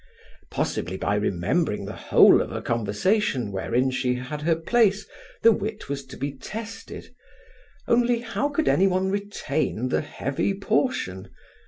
Possibly by remembering the whole of a conversation wherein she had her place, the wit was to be tested; only how could any one retain the heavy portion?